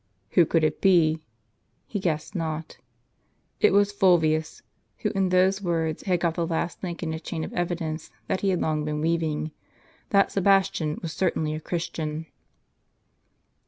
Who could it be? He guessed not. It was Fulvius, who in those words had got the last link in a chain of evidence that he had long been weaving — that Sebastian was certainly a Christian.